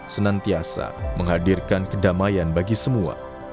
senantiasa menghadirkan kedamaian bagi semua